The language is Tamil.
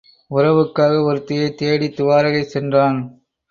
உறவுக்காக ஒருத்தியைத் தேடித் துவாரகை சென்றான்.